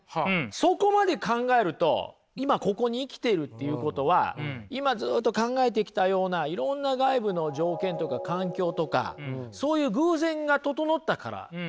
そこまで考えると今ここに生きているっていうことは今ずっと考えてきたようないろんな外部の条件とか環境とかそういう偶然が整ったからですよね。